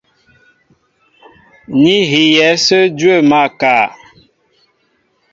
Ní hiyɛ̌ ásə̄ dwə̂ máál kâ.